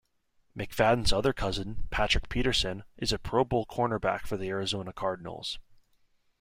McFadden's other cousin, Patrick Peterson, is a Pro Bowl cornerback for the Arizona Cardinals.